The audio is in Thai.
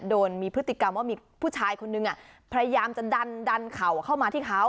โดนมีพฤติกรรมว่ามีผู้ชายคนนึงพยายามจะดันเข่าเข้ามาที่เขา